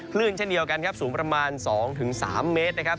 เช่นเดียวกันครับสูงประมาณ๒๓เมตรนะครับ